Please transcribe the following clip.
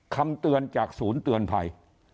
คำเตือนจากศูนย์เตือนภัย